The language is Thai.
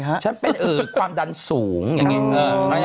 กันชาอยู่ในนี้